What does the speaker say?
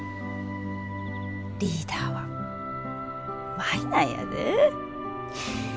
リーダーは舞なんやで。